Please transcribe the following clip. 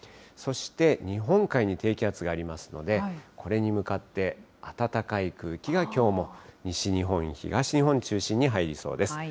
そして日本海に低気圧がありますので、これに向かって、暖かい空気がきょうも西日本、東日本中心に入りそうです。